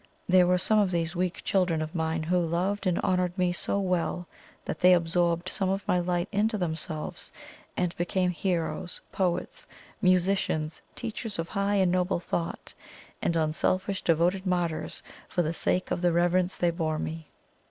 There were some of these weak children of mine who loved and honoured me so well that they absorbed some of my light into themselves, and became heroes, poets, musicians, teachers of high and noble thought, and unselfish, devoted martyrs for the sake of the reverence they bore me.